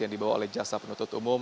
yang dibawa oleh jaksa penuntut umum